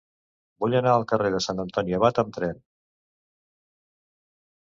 Vull anar al carrer de Sant Antoni Abat amb tren.